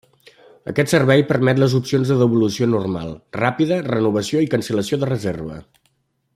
Aquest servei permet les opcions de devolució normal, ràpida, renovació i cancel·lació de reserva.